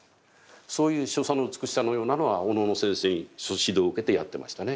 そういう所作の美しさのようなのはお能の先生にその指導を受けてやってましたね。